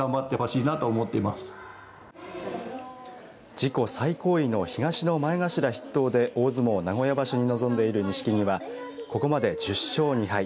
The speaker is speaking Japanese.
自己最高位の東の前頭筆頭で大相撲名古屋場所に臨んでいる錦木はここまで１０勝２敗。